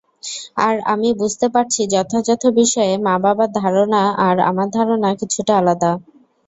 আর আমি বুঝতে পারছি যথাযথ বিষয়ে মা বাবার ধারণা আর আমার ধারণা কিছুটা আলাদা।